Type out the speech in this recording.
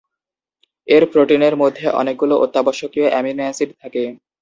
এর প্রোটিনের মধ্যে অনেকগুলো অত্যাবশ্যকীয় অ্যামিনো অ্যাসিড থাকে।